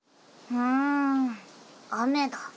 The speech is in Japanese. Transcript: うーんあめだ。